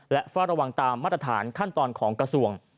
และเฝ้าระวังตามมาตรฐานขั้นตอนของกระทรวง